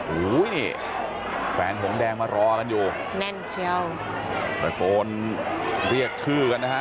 โอ้โหนี่แฟนหงแดงมารอกันอยู่แน่นเชียวตะโกนเรียกชื่อกันนะฮะ